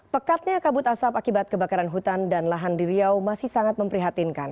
pekatnya kabut asap akibat kebakaran hutan dan lahan di riau masih sangat memprihatinkan